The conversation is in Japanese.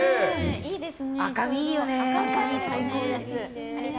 赤身、いいよね。